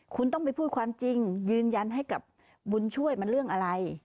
คุณต้องไปพูดความจริงยืนยันให้กับบุญช่วยมันเรื่องอะไร